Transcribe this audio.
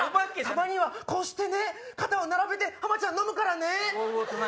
たまにはこうしてね肩を並べて浜ちゃん飲むからね。